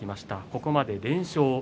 ここまで連勝